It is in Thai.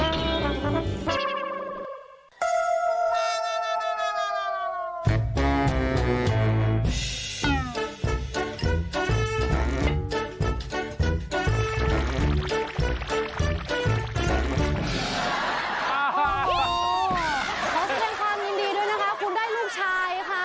ขอแสดงความยินดีด้วยนะคะคุณได้ลูกชายค่ะ